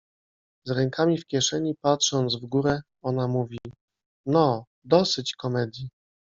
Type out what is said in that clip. Z rękami w kieszeni, patrząc w górę, ona mówi: — No, dosyć komedii.